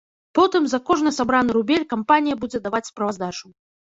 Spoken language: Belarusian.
Потым за кожны сабраны рубель кампанія будзе даваць справаздачу.